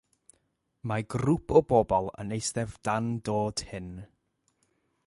Mae grŵp o bobl yn eistedd dan do tun.